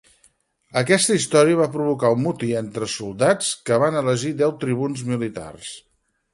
Aquesta història va provocar un motí entre soldats que van elegir deu tribuns militars.